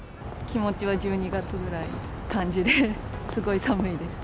気持ちは１２月ぐらいの感じですごい寒いです。